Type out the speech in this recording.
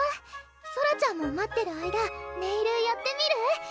ソラちゃんも待ってる間ネイルやってみる？